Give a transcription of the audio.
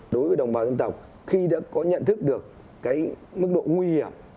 đối với đồng bào dân tộc khi đã có nhận thức được mức độ nguy hiểm